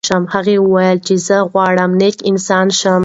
هغه وویل چې زه غواړم نیک انسان شم.